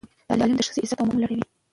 تعلیم د ښځې عزت او مقام لوړوي.